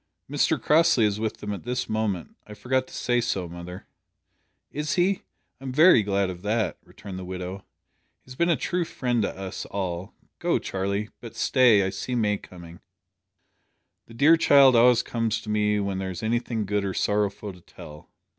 "Mr Crossley is with them at this moment. I forgot to say so, mother." "Is he? I'm very glad of that," returned the widow. "He has been a true friend to us all. Go, Charlie. But stay. I see May coming. The dear child always comes to me when there is anything good or sorrowful to tell.